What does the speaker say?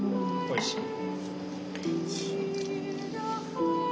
おいしい。